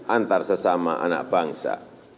antar sesama anak bangsa